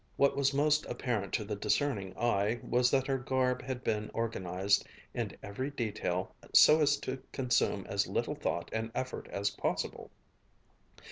What was most apparent to the discerning eye was that her garb had been organized in every detail so as to consume as little thought and effort as possible.